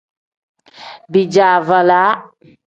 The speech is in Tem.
Bijaavalaa.